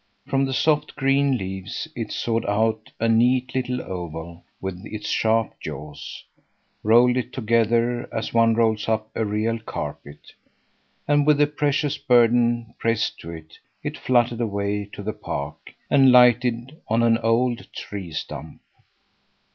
From the soft, green leaves it sawed out a neat little oval with its sharp jaws, rolled it together as one rolls up a real carpet, and with the precious burden pressed to it, it fluttered away to the park and lighted on an old tree stump.